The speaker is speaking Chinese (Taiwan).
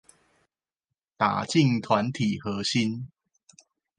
打進團體核心